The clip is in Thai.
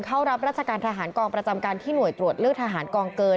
เข้ารับราชการทหารกองประจำการที่หน่วยตรวจเลือกทหารกองเกิน